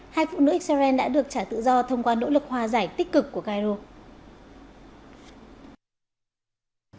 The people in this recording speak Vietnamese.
hai phụ nữ israel đã được trả tự do thông qua nỗ lực hòa giải tích cực của cairo